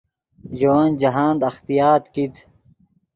ژے ون جاہند اختیاط کیت